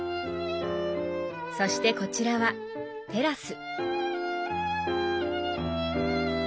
そしてこちらはテラス。